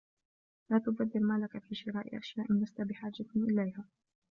لا تبذر مالك في شراء أشياء لست بحاجة إليها.